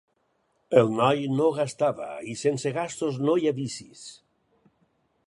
El noi no gastava i sense gastos no hi ha vicis;